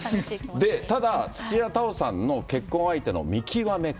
ただ、土屋太鳳さんの結婚相手の見極め方。